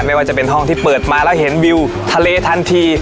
ไม่ว่าจะเป็นห้องที่เปิดมาแล้วเห็นวิวทะเลทันที